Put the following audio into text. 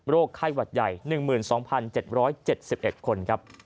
โรคไข้หวัดใหญ่๑๒๗๗๘คน